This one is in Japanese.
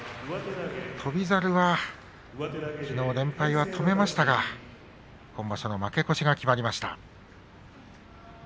翔猿はきのう連敗を止めましたが今場所の負け越しが決まりました。